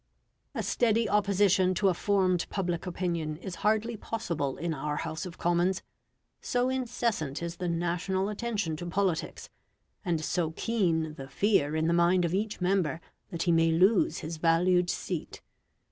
A steady opposition to a formed public opinion is hardly possible in our House of Commons, so incessant is the national attention to politics, and so keen the fear in the mind of each member that he may lose his valued seat.